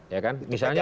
ya kan misalnya